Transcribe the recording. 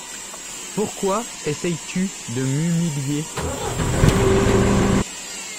Pourquoi essaies-tu de m'humilier ?